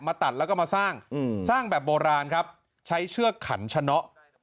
ตัดแล้วก็มาสร้างสร้างแบบโบราณครับใช้เชือกขันชะเนาะ